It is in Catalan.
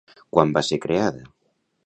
Quan va ser creada?